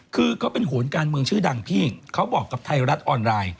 คือเขาเป็นโหนการเมืองชื่อดังพี่เขาบอกกับไทยรัฐออนไลน์